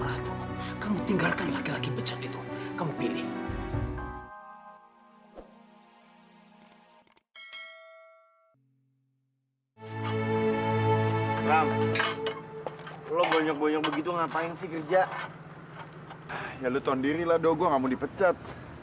rama gawat rama gawat